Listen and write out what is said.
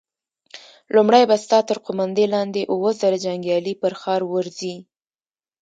لومړی به ستا تر قوماندې لاندې اووه زره جنيګالي پر ښار ورځي!